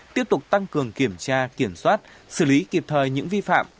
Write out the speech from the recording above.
tiếp tục tăng cường kiểm tra kiểm soát xử lý kịp thời những vi phạm